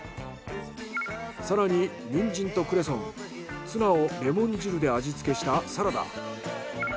更にニンジンとクレソンツナをレモン汁で味付けしたサラダ。